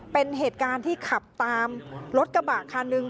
เป็นเหตุการณ์ที่ขับตามรถกระบะคันหนึ่ง